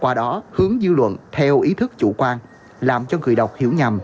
qua đó hướng dư luận theo ý thức chủ quan làm cho người đọc hiểu nhầm